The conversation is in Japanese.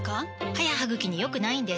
歯や歯ぐきに良くないんです